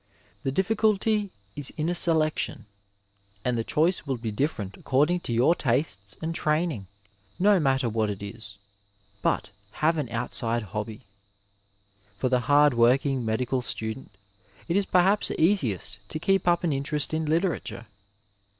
The difficulty is in a selection and the choice will be differ ent according to your tastes and touning; No matter what it is — ^but have an outside hobby. For the hard working medical student it is perhaps easiest to keep up an interest in literature.